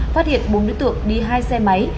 phát hiện bốn đối tượng đi hai xe máy